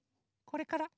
これから。